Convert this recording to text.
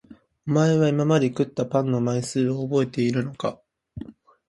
お前は今まで食ったパンの枚数を覚えているのか？